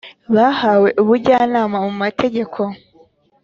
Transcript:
Bahawe ubujyanama mu mategeko